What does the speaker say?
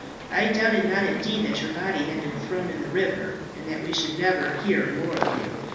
I doubted not indeed that your body had been thrown in the river, and that we should never hear more of you.